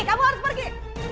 kamu harus pergi